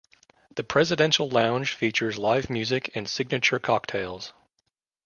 The Presidential Lounge features live music and signature cocktails.